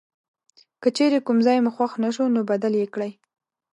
که چیرې کوم ځای مو خوښ نه شو نو بدل یې کړئ.